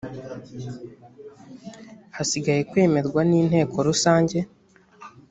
hasigaye kwemerwa n inteko rusange